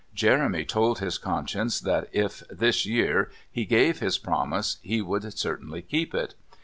Jeremy told his conscience that if, this year, he gave his promise, he would certainly keep it.